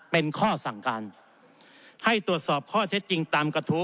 เป็นข้อสั่งการให้ตรวจสอบข้อเท็จจริงตามกระทู้